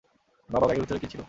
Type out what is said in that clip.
বাবা, ব্যাগের ভিতরে কী ছিল?